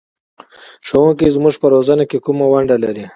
ښوونکی زموږ په روزنه کې کومه ونډه لري؟